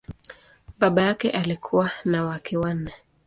Baba yake alikuwa na wake wanne.